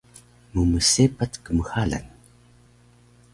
mmsepac kmxalan